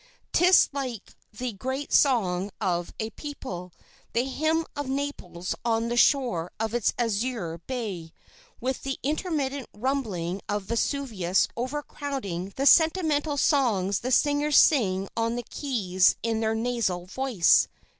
'Tis like the great song of a people, the hymn of Naples on the shore of its azure bay, with the intermittent rumbling of Vesuvius overcrowding the sentimental songs the singers sing on the quays in their nasal voice....